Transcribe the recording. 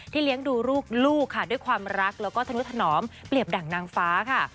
เลี้ยงดูลูกค่ะด้วยความรักแล้วก็ธนุถนอมเปรียบดั่งนางฟ้าค่ะ